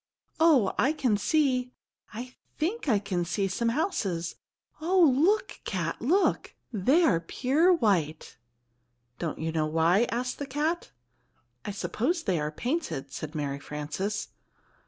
"Oh, I can see I think I can see some houses! Oh, look, Cat, look! They are pure white!" "Don't you know why?" asked the cat. "I suppose they are painted," said Mary Frances.